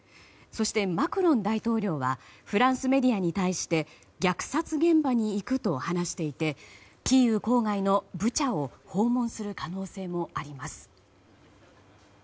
そして、マクロン大統領はフランスメディアに対して虐殺現場に行くと話していてキーウ郊外のブチャを訪問する可能性もあります。